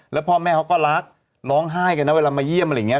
แล้วพ่อแม่เขาก็รักร้องไห้กันนะเวลามาเยี่ยมอะไรอย่างนี้